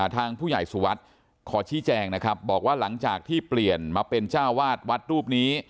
ทางผู้ใหญ่สุวัสดิ์ขอชี้แจงนะครับบอกว่าหลังจากที่เปลี่ยนมาเป็นเจ้าวาดวัดรูปนี้